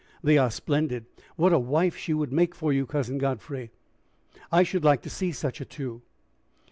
"They are splendid! What a wife she would make for you, Cousin Godfrey! I should like to see such a two."